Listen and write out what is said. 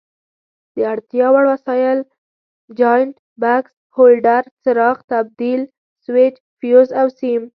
د اړتیا وړ وسایل: جاینټ بکس، هولډر، څراغ، تبدیل سویچ، فیوز او سیم.